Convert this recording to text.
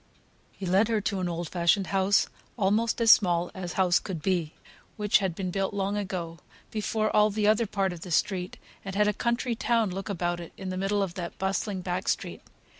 He led her to an old fashioned house, almost as small as house could be, which had been built long ago, before all the other part of the street, and had a country town look about it in the middle of that bustling back street.